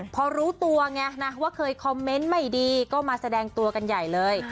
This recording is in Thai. พอรู้ตัวไงนะว่าเคยคอมเมนต์ไม่ดีก็มาแสดงตัวกันใหญ่เลย